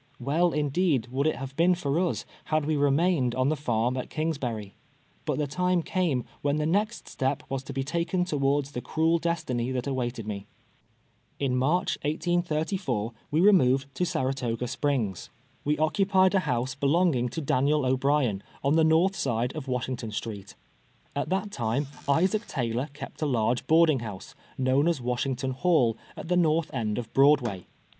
"Well, indeed, would it have been for us had we remained on the farm at Kingsbury ; but the time came when the next step \vas to be taken towards the cruel destiny that awaited me. ■ In March, 1834, we removed to Saratoga Springs. EEMOYAL TO SARATOGA. 25 We occupied a liouse belonging to Daniel O'Brien, on the north side of Washington street. At that time Isaac Taylor kept a large boarding house, kno"s\'n as Washington Hall, at the north end of Broadway.